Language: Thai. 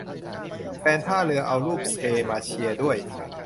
แฟนท่าเรือเอารูปเชมาเชียร์ด้วย !